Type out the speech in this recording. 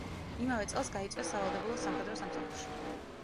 იმავე წელს გაიწვიეს სავალდებულო სამხედრო სამსახურში.